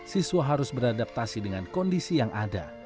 siswa harus beradaptasi dengan kondisi yang ada